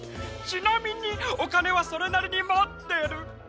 ちなみにおかねはそれなりにもってる！